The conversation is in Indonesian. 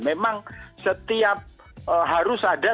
memang setiap harus ada